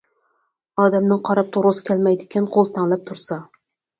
ئادەمنىڭ قاراپ تۇرغۇسى كەلمەيدىكەن قول تەڭلەپ تۇرسا.